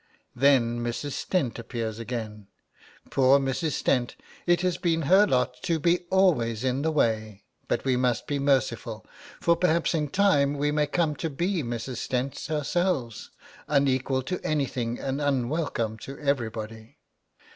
Then Mrs. Stent appears again. 'Poor Mrs. Stent, it has been her lot to be always in the way; but we must be merciful, for perhaps in time we may come to be Mrs. Stents ourselves, unequal to anything and unwelcome to everybody.'